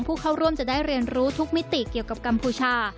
ผู้เข้าร่วมจะได้เรียนรู้ทุกมิติเกี่ยวกับกัมพูชา